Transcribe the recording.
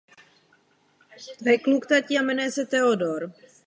Jsem přesvědčen, že na to klást důraz můžeme.